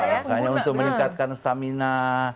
narkoba hanya untuk meningkatkan stamina